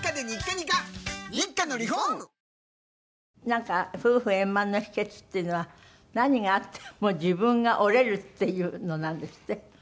なんか夫婦円満の秘訣っていうのは何があっても自分が折れるっていうのなんですって？